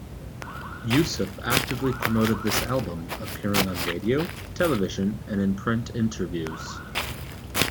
Yusuf actively promoted this album, appearing on radio, television and in print interviews.